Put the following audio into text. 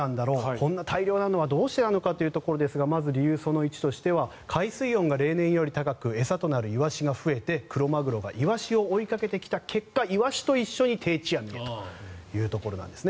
こんなに大量なのはどうしてなのかというところですがまず理由１としては海水温が例年より高く餌となるイワシが増えてクロマグロがイワシを追いかけてきた結果イワシと一緒に定置網へというところなんです。